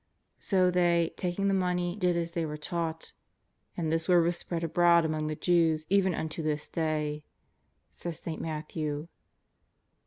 So they, taking the money, did as they were taught. "And this word was spread abroad among the Jews even unto this day," says St. Matthew.